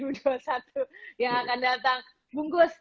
bungkus terima kasih banyak bungkus